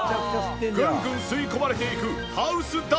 ぐんぐん吸い込まれていくハウスダスト。